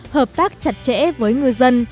hợp tác chặt chẽ với ngư dân